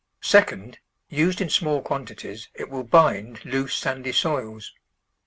Second, used in small quantities, it will bind loose, sandy soils.